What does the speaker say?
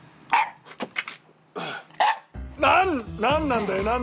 何なんだよ？